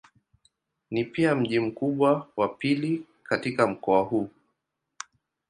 Ni pia mji mkubwa wa pili katika mkoa huu.